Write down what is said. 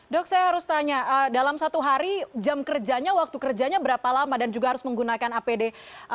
dok saya harus tanya dalam satu hari jam kerjanya waktu kerjanya berapa lama dan juga harus menggunakan apd